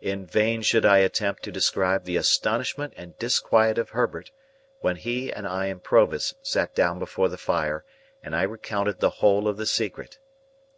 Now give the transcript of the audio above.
In vain should I attempt to describe the astonishment and disquiet of Herbert, when he and I and Provis sat down before the fire, and I recounted the whole of the secret.